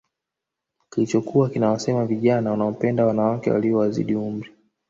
Kilichokuwa kinawasema vijana wanaopenda wanawake Walio wazidi umri